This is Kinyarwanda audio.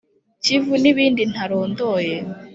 kivu n’ibindi ntarondoye.